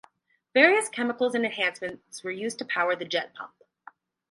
Various chemicals and enhancements were used to power the jet pump.